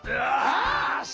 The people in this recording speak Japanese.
よし！